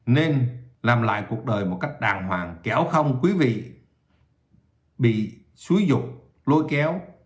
nên làm lại cuộc đời một cách đàng hoàng kéo không quý vị bị xúi dục lôi kéo